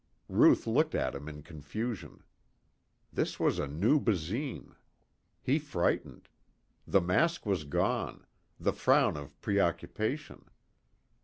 Ruth looked at him in confusion. This was a new Basine. He frightened. The mask was gone, the frown of preoccupation.